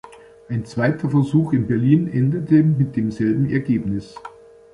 Ein zweiter Versuch in Berlin endete mit demselben Ergebnis.